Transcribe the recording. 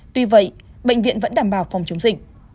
tuy vậy bệnh viện vẫn đảm bảo phòng chống dịch